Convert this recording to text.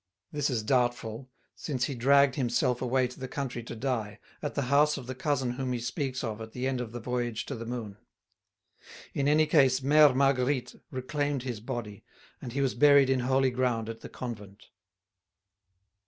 This is doubtful, since he dragged himself away to the country to die, at the house of the cousin whom he speaks of at the end of the Voyage to the Moon. In any case, Mère Marguerite reclaimed his body, and he was buried in holy ground at the convent.